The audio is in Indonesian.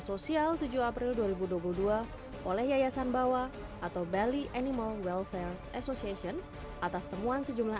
sosial tujuh april dua ribu dua puluh dua oleh yayasan bawah atau bali animal welfare association atas temuan sejumlah